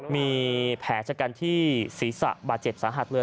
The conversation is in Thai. มีแผลชะกันที่ศีรษะบาดเจ็บสาหัสเลย